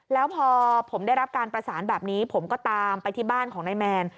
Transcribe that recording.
แล้วพอผมได้รับการประสานแบบนี้ผมก็ตามไปที่บ้านของนายแมน